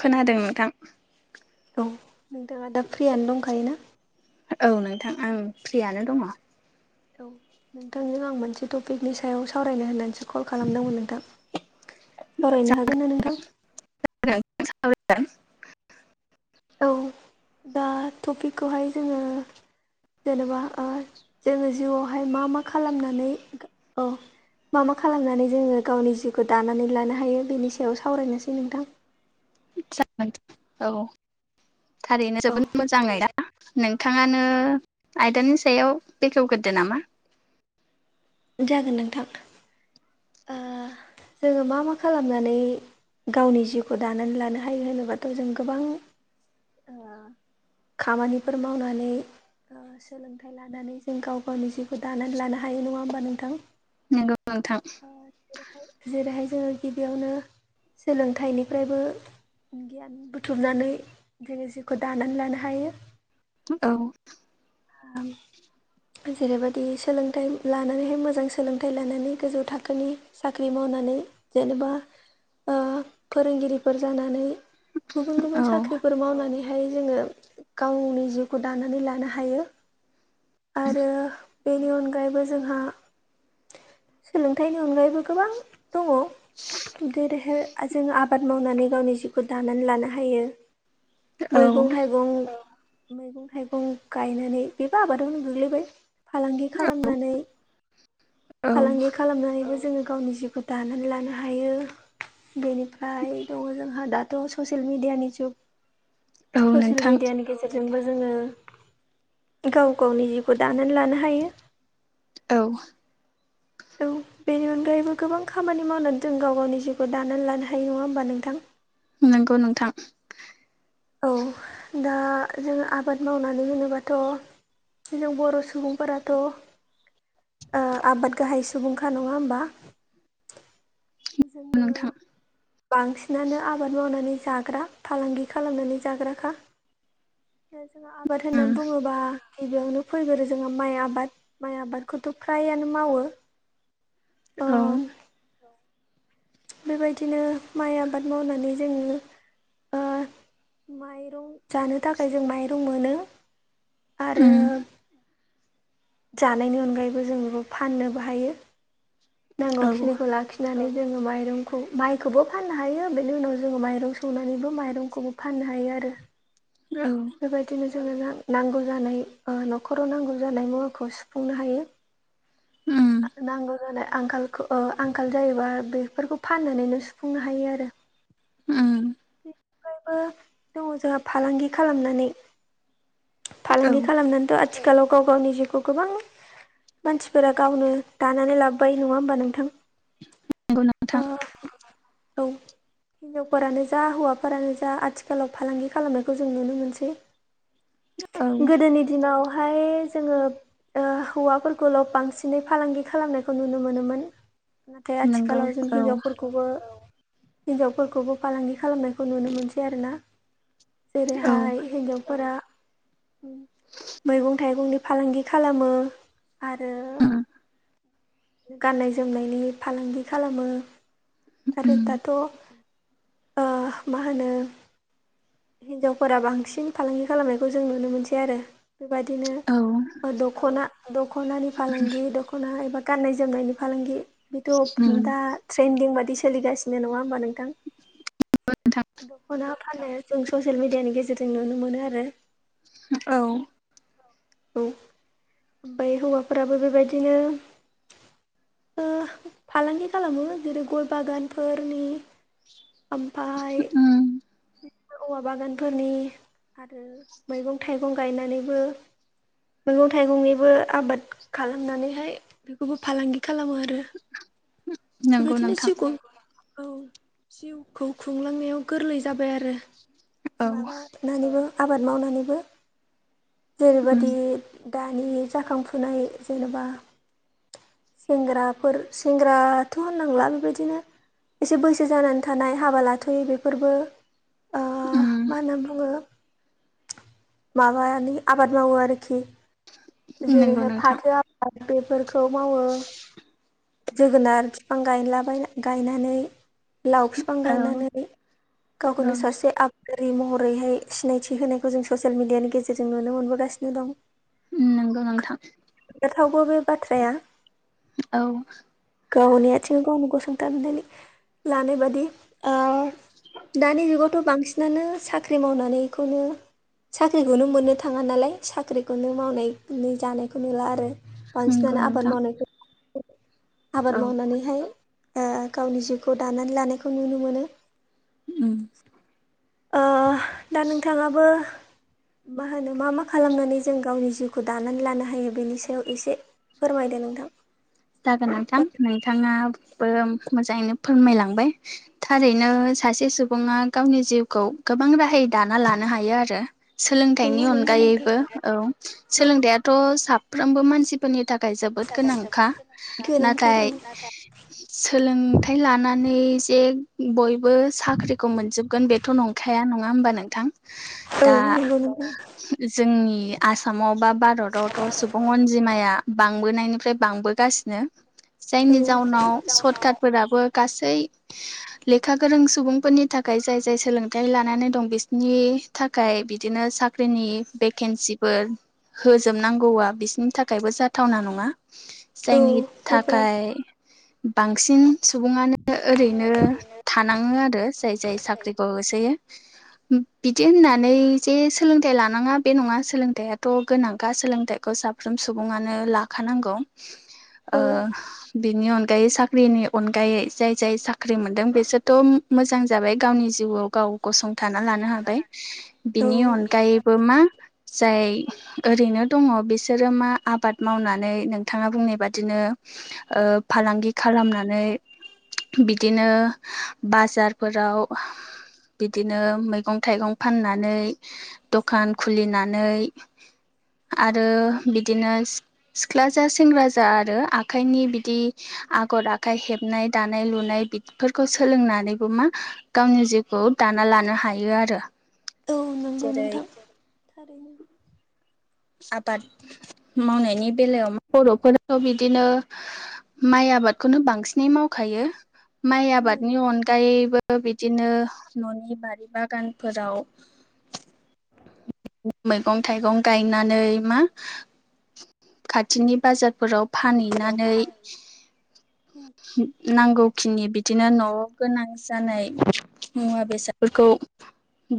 औ खोनादों नोंथां। नोंथाङा दा फ्रियानो दंखायोना औ नोंथां आं फ्रियानो दङ'। औ नोंथांजों आं मोनसे टपिकनि सायाव सावरायनो होननानैसो कल खालामदोंमोन नोंथां सावरायनो हागोन ना नोंथां? [unintelligible] औ दा टपिकखौहाय जोङो जेनेबा ओ जोङो जिउआवहाय मा मा खालामनानै औ मा मा खालामनानै जोङो गावनि जिउखौ दानानै लानो हायो बेनि सायाव सावरायनोसै नोंथां। [unintelligible] औ थारैनो औ जोबोद मोजाङै दा नोंथाङानो आयदानि सायाव बेखेवग्रोदो नामा जागोन नोंथां। ओ जोङो मा मा खालामनानै गावनि जिउखौ दानानै लानो हायो होनोबाथ' जों गोबां [inaudible] ओ खामानिफोर मावनानै सोलोंथाइ लानानै जों गाव गावनि जि खौ दानानै लानो हायो नङा होमबा नोंथां? नोंगौ नोंथां। जेरैहाय जेरैहाय जोङो गिबियावनो सोलोंथाइनिफ्रायबो गियान बुथुमनानै जोङो जिउखौ दानानै लानो हायो। औ ओं जेरैबायदि सोलोंथाइ लानानैहाय मोजां सोलोंथाइ लानानै गोजौ थाखोनि साख्रि मावनानै जेनेबा ओ फोरोंगिरिफोर जानानै गुबुन औ गुबुन साख्रिफोर मावनानैहाय जोङो गावनि जिउखौ दानानै लानो हायो। आरो बेनि अनगायैबो जोंहा सोलोंथाइनि अनगायैबो गोबां‌ दङ जेरैहाय जोङो आबाद मावनानै गावनि जिउखौ दानानै लानो हायो। औ मैगं थाइगं मैगं थाइगं गायनानै बेबो आबादावनो गोग्लैबाय। फालांगि खालामनानै औ फालांगि खालामनानैबो जोङो गावनि जिउ दानानै लानो हायो बेनिफ्राय दङ जोंहा दाथ' ससियेल मेडियानि जुग। औ ससियेल नोंथां मिडियानि गेजेरजोंबो जोङो गाव गावनि जिउखौ दानानै लानो हायो। औ औ बेनि अनगायैबो गोबां खामानि मावनानै जों गाव गावनि जिउखौ दानानै लानो हायो नङा होमबा नोंथां? नोंगौ नोंथां औ दा जोङो आबाद मावनानै होनोबाथ' जों बर' सुबुंफोराथ' ओ आबाद गाहाय सुबुंखा नङा होमबा? जोङो नोंथां बांसिनानो आबाद मावनानै जाग्रा फालांगि खालामनानै जाग्राखा दा जोंङो आबाद उम होननानै बुङोबा गिबियावनो फैगोरो जोंङाहा माइ आबाद माइ आबादखौथ' फ्रायानो मावो। ओ औ बेबायदिनो माइ आबाद मावनानै जोङो ओ माइरं जानो थाखाय जों माइरं मोनो आरो उम जानायनि अनगायैबो जों बेखौ फाननोबो हायो औ नांगौखिनिखौ लाखि नानै जोङो माइरंखौ माइखौबो फाननो हायो बेनि उनाव जोङो माइरं सौनानैबो माइरंखौ फाननो हायो आरो। औ बेबायदिनो जोङो नांगौ जानाय ओ न'खराव नांगौ जानाय मुवाखौ सुफुंनो हायो। [inaudible] उम नांगौ जानाय आंखाल ओ आंखाल जायोबा बेफोरखौ फाननानैनो सुफुंनो हायो आरो। उम बेनि दङ जोंहा फालांगि खालामनानै औ फालांगि खालामनानैथ' आथिखखाालाव गाव गावनि जिउखौ गोबां मानसिफोरा गावनो दानानै लाबोबाय नङा होमबा नोंथां? नंगौ ओ नोंथां औ हिजावफोरानो जा हौवाफोरानो जा आथिखालाव फालांगि खालामनायखौ जों नुनो मोनसै। औ गोदोनि दिनावहाय जोङो ओ हौवाफोरखौल' बांसिनै फालांगि खालामनायखौ नुनो मोनोमोन नाथाय नंगौ आथिखालाव जों औ हिनजावफोरखौबो हिनजावफोरखौबो फालांगि खालामनायखौ नुनो मोनसै आरोना। औ जेरैहाय उम हिन्जावफोरा मैगं थाइगंनि फालांगि खालामो आरो उम। गाननाय जोमनायनि फालांगि खालामो। आरो उम दाथ' ओ मा होनो हिनजावफोरा बांसिन फालांगि खालामनायखौ जों नुनो मोनसै आरो औ बेबायदिनो दख'ना दख'नानि फालांगि द दख'ना एबा गाननाय जोमनायनि फालांगि बेथ' उम दा ट्रेन्दिं बायदि सलिगासिनो नङा होमबा नोंथां? नोंथां दख'ना फानो जों ससियेल मिडियानि गेजेरजों नुनो मोनो आरो औ। औ ओमफ्राय हौवाफोराबो बेबायदिनो ओ फालांगि खालामो जेरै गय बागानफोरनि ओमफफ्राय उम औवा बागानफोरनि आरो मैगं थाइगं गायनानैबो मैगं थाइगंनिबो आबाद खालामनानैहाय बेखौबो फालांगि खालामो आरो नंगौ बेबायदिनो नोंथां जिउखौ औ जिउखौ खुंलांनायाव गोरलै जाबाय आरो औ माबा नानैबो आबाद मावनानैबो जेरैबाय उम बे दानि जाखांफुनाय जेनेबा सेंग्राफोर सेंग्रााथ' होननांला बेबायदिनो एसे बैसो जानानै थानाय हाबा लाथ'यो बेफोरबो ओ मा होनना बुङो माबानि आबाद मावो आरोखि खि उम नंगौ जेरैहाय नोंथां फाथो आबाद बेफोरखौ मावो जोगोनार बिफां गायलाबाय गायनानै लाव बिफां औ गायनानै गावखौनो औ सासे आ रै महरैहाय सिनायथि होनायखौ जों ससियेल मिडियानि गेजेरजों नुनो मोनबोगासिनो दं। उम नोंगौ नांथां। जाथावगौ बे बाथ्राया औ। गावनि आथिङाव गावनो गसंथनानै लानाय बादि औ दानिनि जुगाव थ' बांसिनानो साख्रि मावनानैखौनो साख्रिखौनो मोननो थाङा नालाय साख्रि खौनो मावनाय जानायखौ नुला आरो नंगौ बांसिनानो आबाद नोंथां मावनायखौ आबाद औ मावनानैहाय गावनि जिउखौ दानानै लानायखौ नुनो मोनो उम दा नोंथाङाबो मा होनो मा मा खालामनानै जों गावनि जिउखौ दानानै लानो हायो बेनि सायाव एसे फोरमायदो नोंथां। जागोन नोंथां औ नोंथाङाबो मोजाङैनो फोरमायलांबाय। थारैनो सासे सुबुङा गावनि जिउखौ गोबां राहाय दाना लानो हायो आरो सोलोंथाइनि नंगौ नोंथां अनगायैबो औ औ सोलोंथायाइथ' साफ्रोमबो मानसि फोरनि थाखाय जोबोद गोनांखा गोनांथार नाथाय औ सोलोंथाइ लानानै जे बयबो साख्रिखौ मोनजोबगोन बे थ' नंखाया नङा होमबा नोंथां? औ दा नंगौ नोंथां जोंनि आसामाव बा भारतावथ' सुबुं अनजिमाया बांबोनायनिफ्राय बांबोगासिनो औ जायनि जाउनाव सरकारफोराबो गासै लेखा गोरों सुबुंफोरनि थाखाय जाय जाय सोलोंथायाइ लानानै दं बिसिनि थाखाय बिदिनो साख्रिनि भेकेन्सिफोर होजोबनांगौआ बिसोरनि थाखायबो जाथावना नङा औ जायनि गोब्राब थाखाय बांसिन सुबुङानो ओरैनो थानाङो आरो जाय जाय साख्रिखौ होसोयो बिदि होननानै जे सोलोंथाइ लानाङा बे नङा सोलोंथाइयाथ' गोनांखा सोलोंथाइखौ साब साफ्रोम सुबुङानो लाखानांगौ औ बिनि अनगायै साख्रिनि अनगायै जाय जाय साख्रि मोनदों बिसोरथ' मोजां जाबाय गावनि जिउआव गाव गसंथाना लानो हाबाय औ बिनि अनगायैबो मा जाय ओरैनो दङ बिसोरो मा आबाद मावनानै नोंथाङा बुंनाय बेबादिनो फालांगि खालामनानै बिदिनो बाजारफोराव बिदिनो मैगं थाइगं फाननानै दखान खुलिनानै आरो बिदिनो सिख्ला जा सेंग्रा जा आरो आखाइनि बिदि आगर आखाइ हेबनाय दानाय लुनाय बिदि बेफोरखौ सोलोंनानैबो मा गावनि जिउखौ दाना लानो हायो आरो औ नंगौ जेरै नोंथां थारैनो आबाद मावनायनि बेलायाव बर'फोरथ' बिदिनो माइ आबादखौनो बांसिनै मावखायो माइ आबादनि नंगौ अनगायैबो बिदिनो न'नि बारि बागानफोराव मैगं थाइगं गायनानै मा खाथिनि बाजारफोराव फानहैनानै नांगौखिनि बिदिनो न'आव गोनां जानाय मुवा बेसादफोरखौ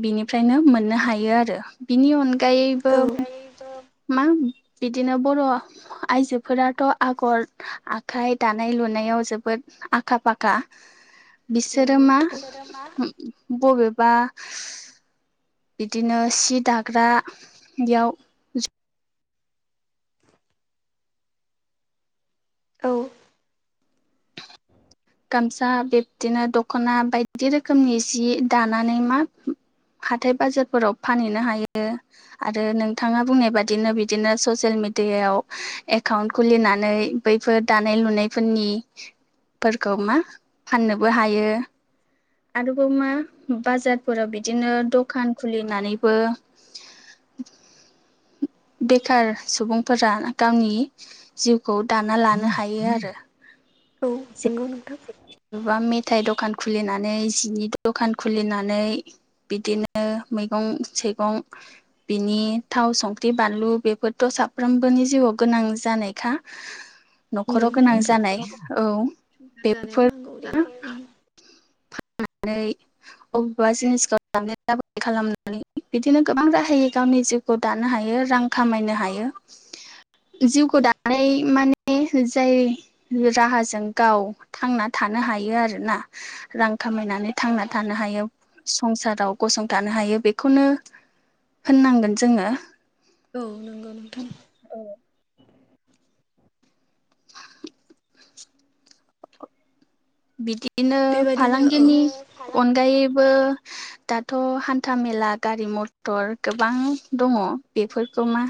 बिनिफ्रायनो मोननो हायो आरो बिनि अनगायैबो औ नंगौ नोंथां औ मा बिदिनो बर' आइजोफोराथ' आगर आखाइ दानाय लुनायाव जोबोद आखा फाखा बिसोरो मा बबेबा बिदिनो सि दाग्रायाव औ गामसा बिब्दिनो दख'ना बायदि रोखोमनि जि दानानै मा हाथाय बाजारफोराव फानहैनो हायो आरो नोंथाङा बुंनाय बादिनो बिदिनो ससियेल मिडियायाव एकाउन्ट खुलिनानै बैफोर दानाय लुनायफोरनि फोरखौ मा फाननोबो हायो आरोबाव मा बाजारफोराव बिदिनो दखान खुलिनानैबो बेखार सुबुंफोरा गावनि जिउखौ दाना लानो हायो आरो। औ नोंगौ नोंथां बबेबा मेथाइ दखान खुलिनानै जिनि दखान खुलिनानै बिदिनो मैगं सैगं बिनि थाव संख्रि बानलु बेफोरथ' साफ्रोमबोनि जिउआव गोनां जानायखा न'खराव नंगौ गोनां जानाय नोंथां औ संसार जानायाव नांगौ जानाय ओम। फाननानै बबेबा जिनिसखौ [inaudible] खालामनानै बिदिनो गोबां राहायै गावनि जिउ खौ दानो हायो रां खामायनो हायो जिउखौ दानाय औ माने जाय राहाजों गाव थांना था नो हायो आरोना रां खामायनानै थांना थानो हायो। संसाराव गसंथानो हायो बेखौनो होननांगोन जोङो। औ नंगौ नोंथां। बिदिनो बेबायदिनो फालांगिनि औ अनगायैबो दाथ' हान्था मेला गारि मथर गोबां दङ बेफोरखौ मा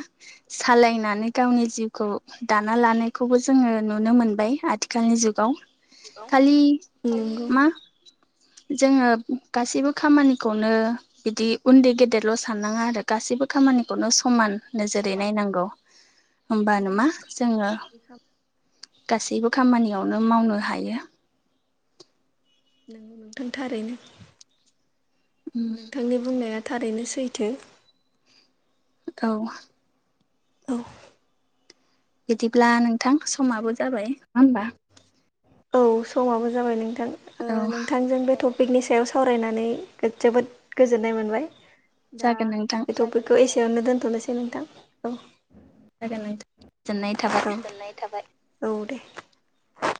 सालायनानै गावनि जिउखौ दाना लानायखौबो जोङो नुनो मोनबाय आथिखालनि जुगाव। खालि नंगौ मा जोङो गासैबो खामानिखौनो बिदि उन्दै गेदेरल' साननाङा आरो गासैबो खामानिखौनो समान नोजोरै नायनांगौ। होमबानो मा जोङो गासैबो खामानियावनो मावनो हायो। नोंगौ नोंथां थारैनो नोंथांनि बुंनाया थारैनो सैथो। औ औ बिदिब्ला नोंथां समाबो जाबाय नङा होनबा? औ समाबो जाबाय नोंथां ओ औ नोंथांजों बे थ' पिकनि सायाव सावरायनानै जोबोद गोजोननाय मोनबाय दा जागोन नोंथां बेथ' खौ एसेयावनो दोन्थ'नोसै नोंथां। औ औ जागोन नोंथां गोजोननाय थाबाय गोजोननाय थाबाय औ दे।